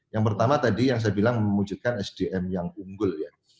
yang pertama tadi yang saya bilang memujudkan sdm yang unggul ya